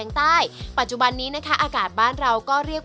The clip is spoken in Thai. ซึ่งมีพื้นที่ตั้งอยู่ในเขตร้อนและอบอุ่นเป็นส่วนใหญ่